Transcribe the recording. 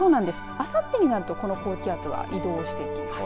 あさってになるとこの高気圧が移動していきます。